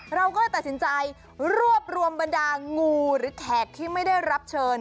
เราก็เลยตัดสินใจรวบรวมบรรดางูหรือแขกที่ไม่ได้รับเชิญ